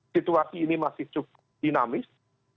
situasi ini masih cukup dinamis